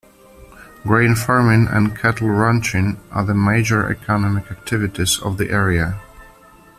Grain farming and cattle ranching are the major economic activities of the area.